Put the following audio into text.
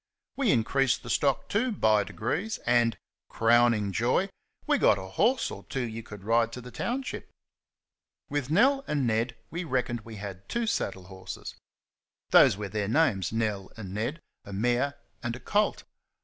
We increased the stock, too, by degrees; and crowning joy! we got a horse or two you could ride to the township. With Nell and Ned we reckoned we had two saddle horses those were their names, Nell and Ned, a mare and a colt.